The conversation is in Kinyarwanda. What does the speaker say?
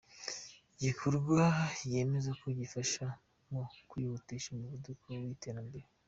Igikorwa yemeza ko gifasha mu kwihutisha umuvuduko w’ iterambere.